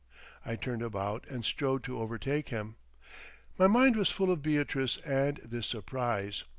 I turned about and strode to overtake him. My mind was full of Beatrice and this surprise.